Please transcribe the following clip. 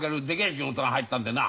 仕事が入ったんでな。